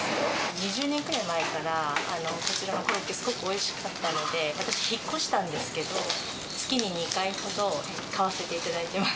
２０年くらい前から、こちらのコロッケ、すごくおいしかったので、私、引っ越したんですけど、月に２回ほど、買わせていただいてます。